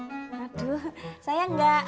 aduh saya enggak